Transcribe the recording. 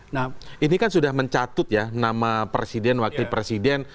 nah ini kan sudah mencatut ya nama presiden wakil presiden